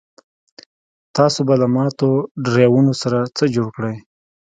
تاسو به له ماتو ډرایوونو سره څه جوړ کړئ